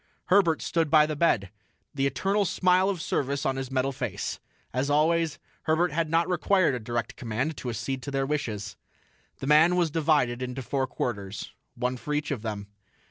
Herbert stood by the bed, the eternal smile of service on his metal face. As always, Herbert had not required a direct command to accede to their wishes. The man was divided into four quarters, one for each of them.